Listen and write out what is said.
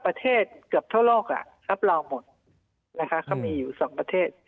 ประเทศเกือบทั่วโลกรับรองหมดนะคะเขามีอยู่สองประเทศ